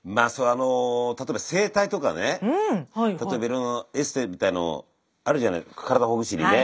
例えば整体とかねいろんなエステみたいのあるじゃない体ほぐしにね。